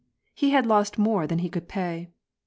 He had lost more than he eonld pay.